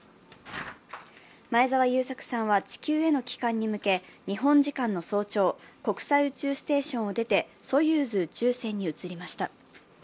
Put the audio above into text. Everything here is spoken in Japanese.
前澤友作さんは地球への帰還へ向け日本時間の早朝国際宇宙ステーションを出てソユーズ宇宙船に移りました。